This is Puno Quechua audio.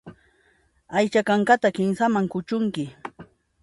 Aycha kankata kinsaman kuchunki.